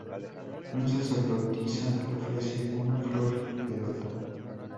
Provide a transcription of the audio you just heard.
Una sacerdotisa le ofrece una flor de loto.